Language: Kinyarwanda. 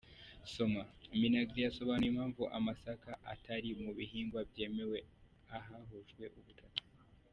Soma:Minagri yasobanuye impamvu amasaka atari mu bihingwa byemewe ahahujwe ubutaka.